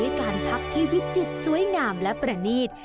การพักที่วิจิตรสวยงามและประนีต